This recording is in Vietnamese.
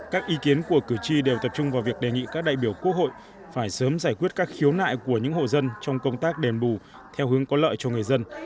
các ý kiến của cử tri đều tập trung vào việc đề nghị các đại biểu quốc hội phải sớm giải quyết các khiếu nại của những hộ dân trong công tác đền bù theo hướng có lợi cho người dân